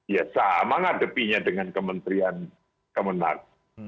ya sama ngadepinya dengan kementerian kemenang